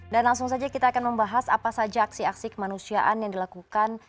dan langsung saja kita akan membahas apa saja aksi aksi kemanusiaan yang dilakukan